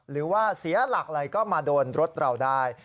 หรือว่าเสียหลักอะไรก็มาโดนรถเราได้